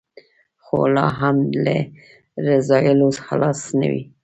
خو لا هم له رذایلو خلاص نه وي.